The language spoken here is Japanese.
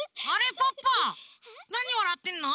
ポッポなにわらってんの？